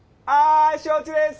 承知です！